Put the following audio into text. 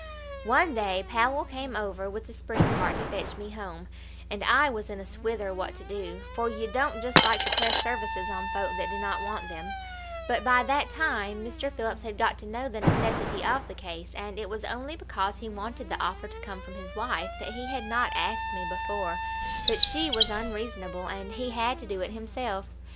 "One day Powell came over with the spring cart to fetch me home, and I was in a swither what to do, for ye don't just like to press services on folk that do not want them; but by that time Mr. Phillips had got to know the necessity of the case, and it was only because he wanted the offer to come from his wife that he had not asked me before; but she was unreasonable, and he had to do it himself.